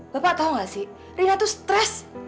bapak tahu gak sih rina itu stres